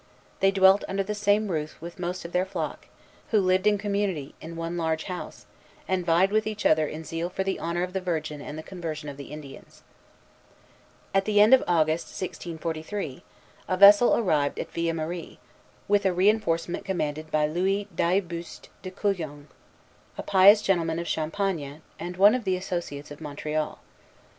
They dwelt under the same roof with most of their flock, who lived in community, in one large house, and vied with each other in zeal for the honor of the Virgin and the conversion of the Indians. Véritables Motifs, cited by Faillon, I. 453, 454. At the end of August, 1643, a vessel arrived at Villemarie with a reinforcement commanded by Louis d'Ailleboust de Coulonges, a pious gentleman of Champagne, and one of the Associates of Montreal.